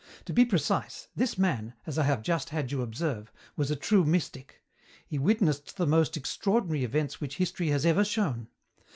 To be precise, this man, as I have just had you observe, was a true mystic. He witnessed the most extraordinary events which history has ever shown.